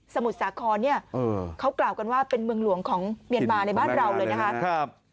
มุทรสาครเนี่ยเขากล่าวกันว่าเป็นเมืองหลวงของเมียนมาในบ้านเราเลยนะคะ